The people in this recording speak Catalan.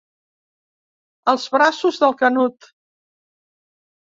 Als braços del Canut.